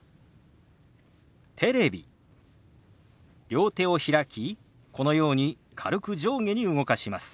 両手を開きこのように軽く上下に動かします。